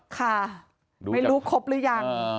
ค่ะไม่รู้ครบหรือยัง